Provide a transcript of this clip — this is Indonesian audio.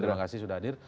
terima kasih sudah hadir